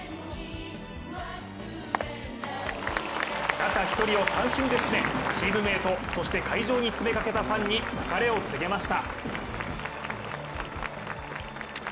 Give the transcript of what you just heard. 打者１人を三振で締め、チームメイト、そして会場に詰めかけたファンに別れを告げました。